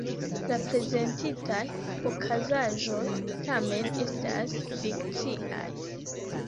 La prezentitaj okazaĵoj, tamen, estas fikciaj.